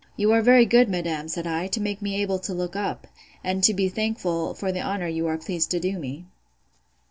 You are very good, madam, said I, to make me able to look up, and to be thankful for the honour you are pleased to do me.